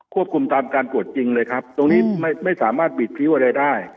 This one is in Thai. คุมตามการตรวจจริงเลยครับตรงนี้ไม่สามารถบิดพิ้วอะไรได้